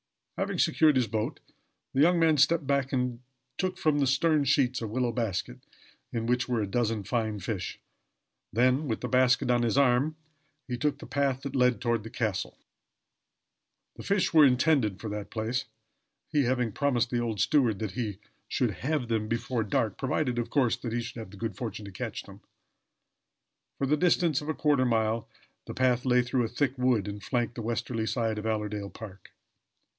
Having secured his boat, the young man stepped back and took from the stern sheets a willow basket, in which were a dozen fine fish; and then, with the basket on his arm, he took the path that led toward the castle. The fish were intended for that place, he having promised the old steward that he should have them before dark, provided, of course, that he should have the good fortune to catch them. For the distance of a quarter of a mile the path lay through a thick wood and flanked the westerly side of Allerdale park.